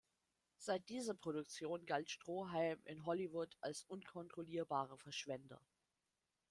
Seit dieser Produktion galt Stroheim in Hollywood als unkontrollierbarer Verschwender.